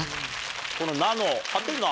この「な」の「？」。